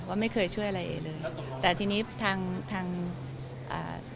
ว่าไม่เคยช่วยอะไรเอเลยแต่ทีนี้ทางทางอ่า